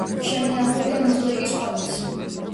შემონახულია მოზაიკის კვალიც.